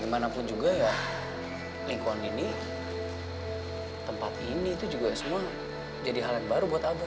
dimanapun juga ya lingkungan ini tempat ini itu juga semua jadi hal yang baru buat abah